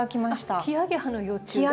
あっキアゲハの幼虫だ。